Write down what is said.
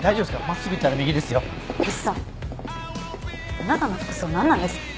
あなたの服装何なんですか？